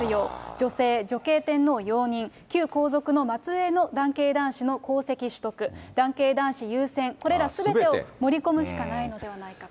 女性、女系天皇容認、旧皇族の末えいの男系男子の皇籍取得、男系男子優先、これらすべてを盛り込むしかないのではないかと。